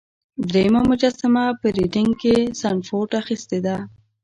دریمه مجسمه په ریډینګ کې سنډفورډ اخیستې ده.